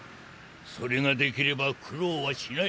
それができれば苦労はしない。